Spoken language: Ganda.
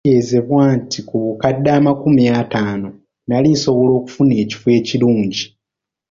Nategeezebwa nti ku bukadde amakumi ataano nali nsobola okufuna ekifo ekirungi.